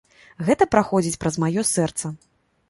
Гэта праходзіць праз маё сэрца.